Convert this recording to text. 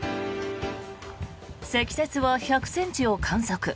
積雪は１００ｃｍを観測。